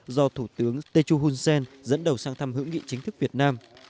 do thủ tướng techo hunsen dẫn đầu sang thăm hữu nghị chính thức việt nam